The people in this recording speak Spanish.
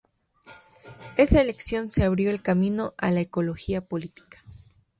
Esa elección se abrió el camino a la ecología política.